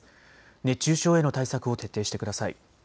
熱中症への対策を徹底してください。